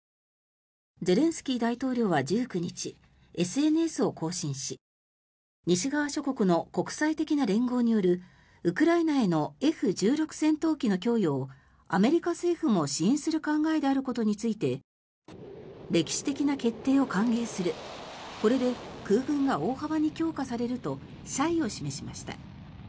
ゼレンスキー大統領は１９日ＳＮＳを更新し西側諸国の国際的な連合によるウクライナへのＦ１６戦闘機の供与をアメリカ政府も支援する考えであることについて歴史的な決定を歓迎するこれで空軍が大幅に強化されると謝意を示しました。